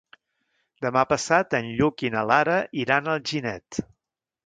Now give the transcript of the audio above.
Demà passat en Lluc i na Lara iran a Alginet.